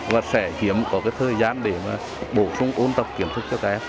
và sẽ hiếm có thời gian để bổ sung ôn tập kiểm thức cho các em